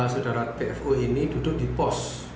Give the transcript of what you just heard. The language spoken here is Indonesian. saudara tfo ini duduk di pos